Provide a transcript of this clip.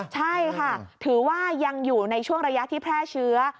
ใช่ค่ะถือว่ายังอยู่ในช่วงระยะที่แพร่เชื้อ